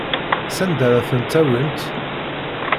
Sanda ara ten-tawimt?